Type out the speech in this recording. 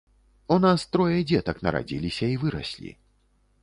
У нас трое дзетак нарадзіліся і выраслі.